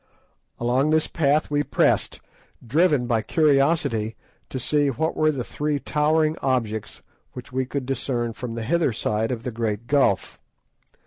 Along this path we pressed, driven by curiosity to see what were the three towering objects which we could discern from the hither side of the great gulf.